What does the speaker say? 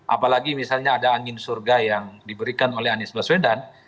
apalagi misalnya ada angin surga yang diberikan oleh anies baswedan